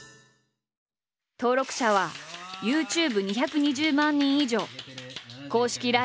登録者はＹｏｕＴｕｂｅ２２０万人以上公式